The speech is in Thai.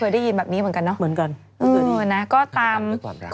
เออเหมือนกันฆ่าตกรรมด้วยความรัก